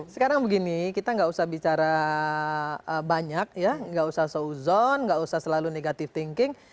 sekarang begini kita nggak usah bicara banyak ya nggak usah seuzon nggak usah selalu negative thinking